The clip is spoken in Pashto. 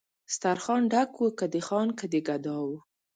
سترخان ډک و که د خان که د ګدا وو